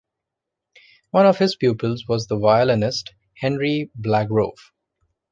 One of his pupils was the violinist Henry Blagrove.